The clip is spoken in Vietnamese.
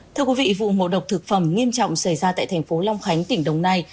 thưa quý vị vụ ngộ độc thực phẩm nghiêm trọng xảy ra tại thành phố long khánh tỉnh đồng nai